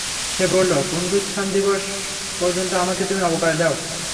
সে বলল, পুনরুত্থান দিবস পর্যন্ত আমাকে তুমি অবকাশ দাও।